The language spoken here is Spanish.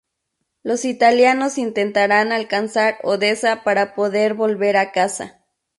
Los italianos intentarán alcanzar Odesa para poder volver a casa.